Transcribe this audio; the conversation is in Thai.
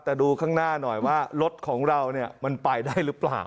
แต่ดูข้างหน้าหน่อยว่ารถของเราเนี่ยมันไปได้หรือเปล่า